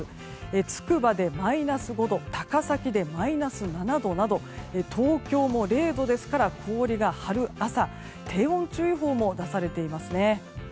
つくばでマイナス５度高崎でマイナス７度など東京も０度ですから氷が張る朝低温注意報も出されていますね。